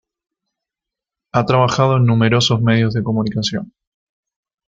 Ha trabajado en numerosos medios de comunicación.